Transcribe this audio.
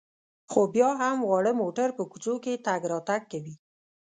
خو بیا هم واړه موټر په کوڅو کې تګ راتګ کوي.